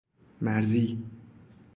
مرزی